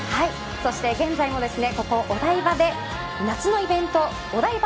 そして、現在もここお台場で夏のイベントお台場